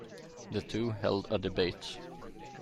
The two held a debate.